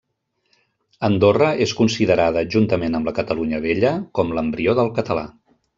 Andorra és considerada, juntament amb la Catalunya Vella, com l'embrió del català.